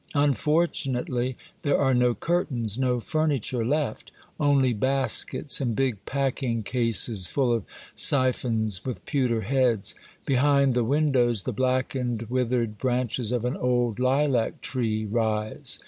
Unfortunately there are no curtains, no furniture left. Only baskets and big packing cases full of siphons with pewter heads ; behind the win dows the blackened, withered branches of an old lilac tree rise.